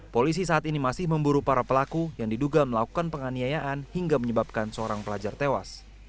polisi saat ini masih memburu para pelaku yang diduga melakukan penganiayaan hingga menyebabkan seorang pelajar tewas